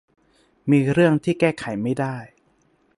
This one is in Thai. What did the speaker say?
มีเรื่องที่แก้ไขไม่ได้